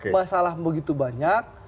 masalah begitu banyak